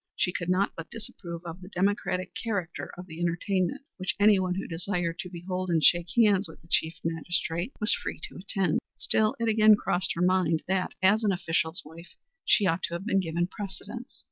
She could not but approve of the democratic character of the entertainment, which anyone who desired to behold and shake hands with the Chief Magistrate was free to attend. Still, it again crossed her mind that, as an official's wife, she ought to have been given precedence.